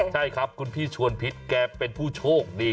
ใช่ครับคุณพี่ชวนพิษแกเป็นผู้โชคดี